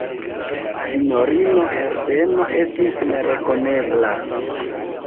Sinjorino Herbeno estis nerekonebla.